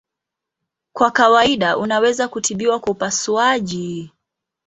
Kwa kawaida unaweza kutibiwa kwa upasuaji.